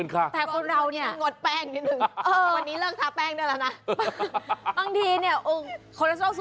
แต่พอเหรอนี่ง่ดแป้งนิดนึงวันนี้เล่นทาแป้งด้วยล่ะนะ